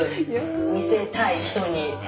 見せたい人に。